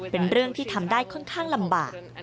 เป็นเรื่องที่ทำได้ค่อนข้างลำบาก